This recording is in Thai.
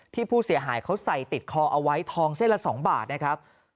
ผู้เสียหายเขาใส่ติดคอเอาไว้ทองเส้นละ๒บาทนะครับ